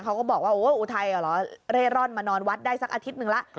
เขาก็บอกว่าโอ้อุทัยเหรอเร่ร่อนมานอนวัดได้สักอาทิตย์หนึ่งแล้ว